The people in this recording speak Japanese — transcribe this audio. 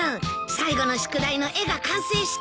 最後の宿題の絵が完成したんだ。